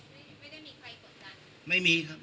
ไม่ได้มีใครกดดัน